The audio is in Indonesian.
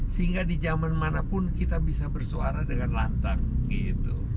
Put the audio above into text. sehingga di zaman manapun kita bisa bersuara dengan lantang gitu